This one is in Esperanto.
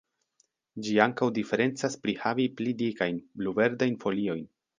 Ĝi ankaŭ diferencas pri havi pli dikajn, blu-verdajn foliojn.